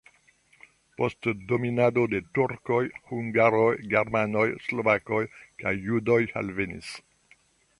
Post dominado de turkoj hungaroj, germanoj, slovakoj kaj judoj alvenis.